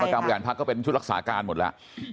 การบริหารพักก็เป็นชุดรักษาการหมดแล้ว